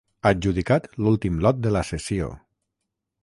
Adjudicat l'últim lot de la sessió.